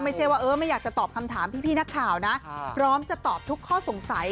ไม่ใช่ว่าเออไม่อยากจะตอบคำถามพี่นักข่าวนะพร้อมจะตอบทุกข้อสงสัย